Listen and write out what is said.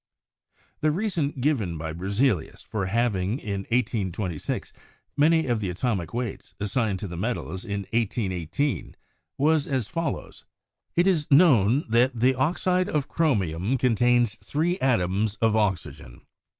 The reason given by Berzelius for halving in 1S26 many of the atomic weights assigned to the metals in 181 8 was as follows: "It is known that the oxide of chromium contains three atoms of oxygen.